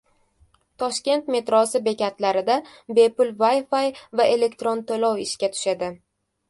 Toshkent metrosi bekatlarida bepul Wi-Fi va elektron to‘lov ishga tushadi